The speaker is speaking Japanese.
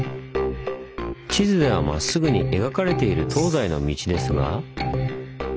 地図ではまっすぐに描かれている東西の道ですが。